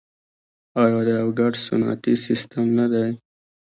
آیا دا یو ګډ صنعتي سیستم نه دی؟